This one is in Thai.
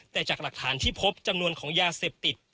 แต่จากหลักฐานที่พบจำนวนของยาเสพติด